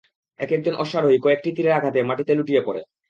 এক একজন অশ্বারোহী কয়েকটি তীরের আঘাতে মাটিতে লুটিয়ে পড়ে।